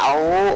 gak totok tau